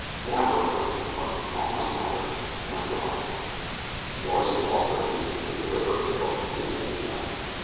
"Barbara!" cried Anthony Harding. "O my daughter! My daughter!" Norris and Foster hastened through the river and brought the two men to the island.